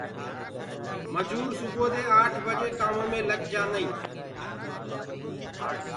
مجور سبوو دي آٺ بجي ڪآمو مي لگ جآنٚدآئينٚ